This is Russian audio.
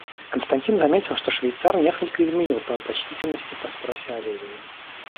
Константин заметил, что швейцар несколько изменил тон почтительности по спросе о Левине.